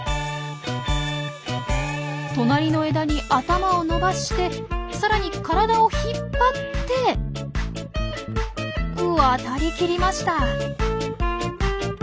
隣の枝に頭を伸ばしてさらに体を引っ張って渡りきりました。